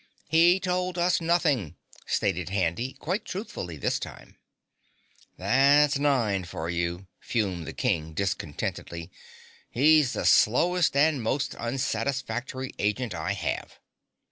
"He told us nothing," stated Handy quite truthfully, this time. "That's Nine for you," fumed the King discontentedly. "He's the slowest and most unsatisfactory agent I have.